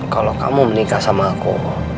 kalau kamu menikah sama aku